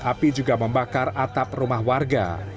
api juga membakar atap rumah warga